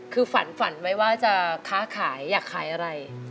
คือฝันฝันไว้ว่าจะค้าขายอยากขายอะไร